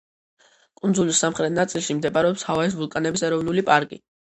კუნძულის სამხრეთ ნაწილში მდებარეობს ჰავაის ვულკანების ეროვნული პარკი.